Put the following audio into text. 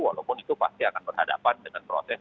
walaupun itu pasti akan berhadapan dengan proses